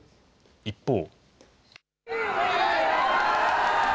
一方。